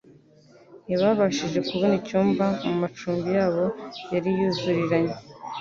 Ntibabashije kubona icyumba mu macumbi yari yuzuriranye.